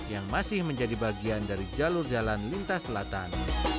yang masih menjadi bagian dari jalur jalan lintas selatan